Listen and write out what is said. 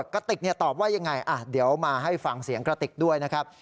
กระติกตอบว่ายังไงเดี๋ยวมาให้ฟังเสียงกระติกด้วยนะครับ